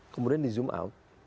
kemudian di zoom out